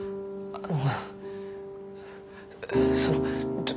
あの。